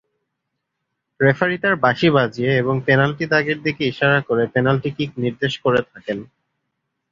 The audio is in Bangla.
রেফারি তার বাঁশি বাজিয়ে এবং পেনাল্টি দাগের দিকে ইশারা করে পেনাল্টি কিক নির্দেশ করে থাকেন।